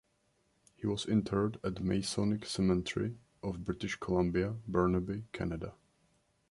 He was interred at Masonic Cemetery of British Columbia, Burnaby, Canada.